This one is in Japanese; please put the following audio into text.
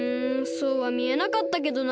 そうはみえなかったけどな。